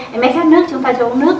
em bé khát nước chúng ta cho uống nước